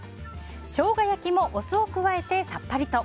ショウガ焼きもお酢を加えてさっぱりと。